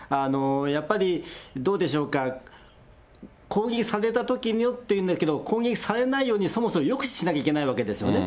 やっぱりどうでしょうか、攻撃されたときにっていうんだけども、攻撃されないように、そもそも抑止しなきゃいけないわけですよね。